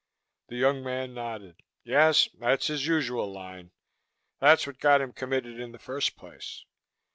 The young man nodded. "Yes, that's his usual line. That's what got him committed in the first place.